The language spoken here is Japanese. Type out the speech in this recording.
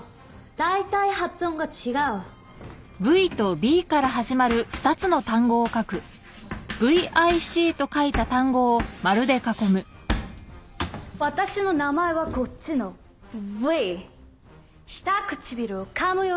大体発音が違う私の名前はこっちの「Ｖ」下唇をかむようにして「ヴィッチ」分かった？